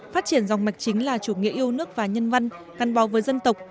phát triển dòng mạch chính là chủ nghĩa yêu nước và nhân văn gắn bó với dân tộc